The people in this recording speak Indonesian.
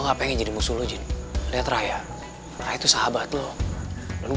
t prim constance ya kgrm ya bang